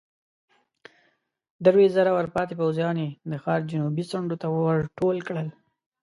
درويشت زره ورپاتې پوځيان يې د ښار جنوبي څنډو ته ورټول کړل.